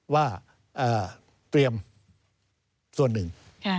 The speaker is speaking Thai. ว่าเตรียมส่วนหนึ่ง